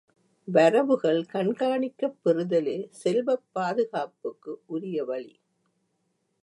வரவுகள் கண்காணிக்கப் பெறுதலே செல்வப் பாதுகாப்புக்கு உரிய வழி.